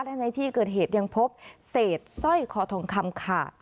และในที่เกิดเหตุยังพบเศษสร้อยคอทองคำขาด